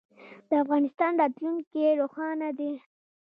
د افغانستان راتلونکی روښانه دی.